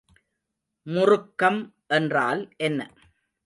முறுக்கம் என்றால் என்ன?